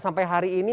sampai hari ini